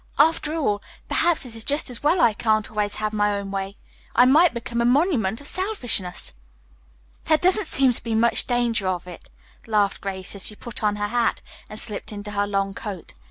"After all, perhaps it is just as well I can't always have my own way. I might become a monument of selfishness." "There doesn't seem to be much danger of it," laughed Grace, as she put on her hat and slipped into her long coat.